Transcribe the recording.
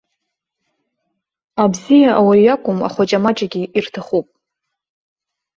Абзиа ауаҩ иакәым ахәаҷамаҷагьы ирҭахуп.